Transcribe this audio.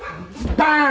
バーン